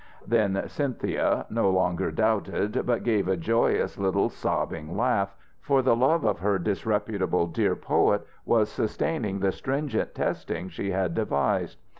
Then Cynthia no longer doubted, but gave a joyous little sobbing laugh, for the love of her disreputable dear poet was sustaining the stringent testing she had devised.